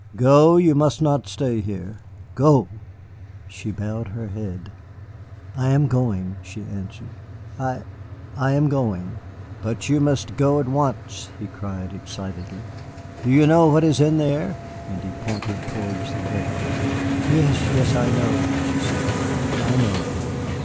"Go, you must not stay here. Go!" She bowed her head. "I was going," she answered. "I I am going." "But you must go at once," he cried excitedly. "Do you know what is in there?" and he pointed towards the bedroom. "Yes, yes, I know," she said, "I know."